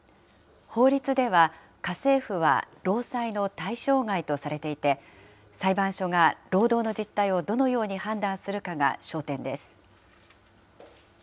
法律では家政婦は労災の対象外とされていて、裁判所が、労働の実態をどのように判断するかが焦点です。